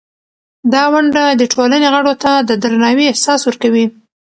دا ونډه د ټولنې غړو ته د درناوي احساس ورکوي.